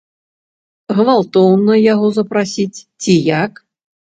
Гвалтоўна яго запрасіць ці як?